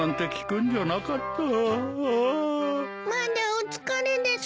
まだお疲れです。